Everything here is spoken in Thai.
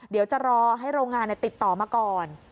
เดี๋ยวจะรอให้โรงงานติดต่อมาก่อน